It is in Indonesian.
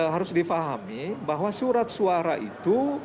harus difahami bahwa surat suara itu